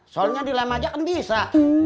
soalnya dilem aja kan bisa